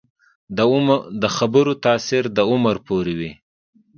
د خبرو تاثیر د عمر پورې وي